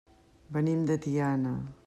Venim de Tiana.